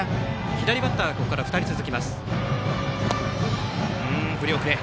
左バッターがここから２人続きます。